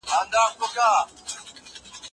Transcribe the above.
که زده کوونکي وهڅول سي نو خط یې ښکلی کیږي.